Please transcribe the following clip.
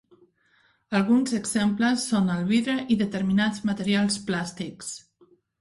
Alguns exemples són el vidre i determinats materials plàstics.